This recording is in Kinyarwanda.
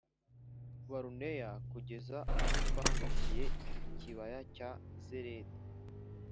baruneya kugeza aho twambukiye ikibaya cya zeredi